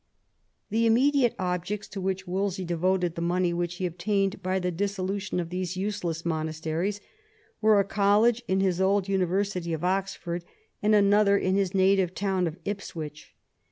The immediate objects to which Wolsey devoted the money which he obtained by the dissolution of these useless monasteries were a college in his old university of Oxford and another in his native town of Ipswich.